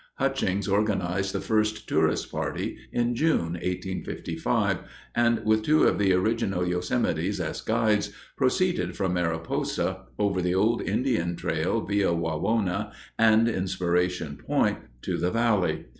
Hutchings organized the first tourist party in June, 1855, and with two of the original Yosemites as guides proceeded from Mariposa over the old Indian trail via Wawona and Inspiration Point to the valley.